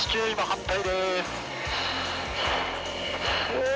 うわ。